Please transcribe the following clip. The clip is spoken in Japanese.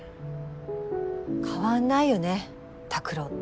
変わんないよね拓郎って。